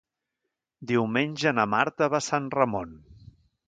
Diumenge na Marta va a Sant Ramon.